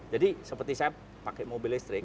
jadi seperti saya pakai mobil listrik